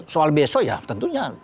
soal besok ya tentunya